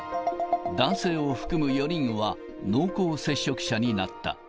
男性を含む４人は、濃厚接触者になった。